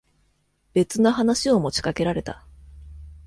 別の話を持ちかけられた。